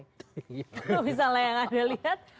kalau misalnya yang anda lihat